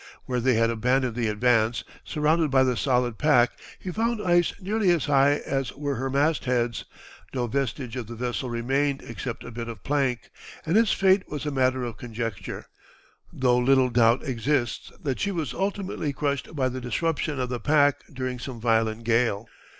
Where they had abandoned the Advance, surrounded by the solid pack, he found ice nearly as high as were her mastheads; no vestige of the vessel remained except a bit of plank, and its fate was a matter of conjecture, though little doubt exists that she was ultimately crushed by the disruption of the pack during some violent gale.